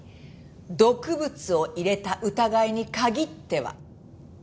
毒物を入れた疑いに限ってはね。